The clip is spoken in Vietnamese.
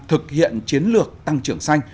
thực hiện chiến lược tăng trưởng xanh